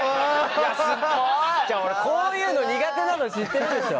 俺こういうの苦手なの知ってるでしょ。